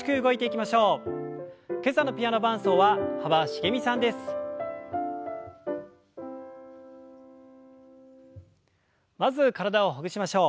まず体をほぐしましょう。